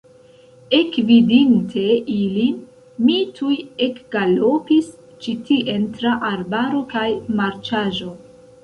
Ekvidinte ilin, mi tuj ekgalopis ĉi tien tra arbaro kaj marĉaĵo.